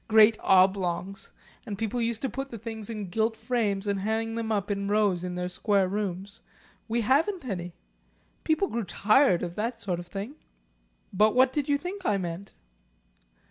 Great oblongs. And people used to put the things in gilt frames and hang them up in rows in their square rooms. We haven't any. People grew tired of that sort of thing." "But what did you think I meant?"